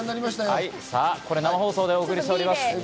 生放送でお送りしております。